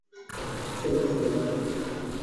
เสียงเล็กเสียงน้อย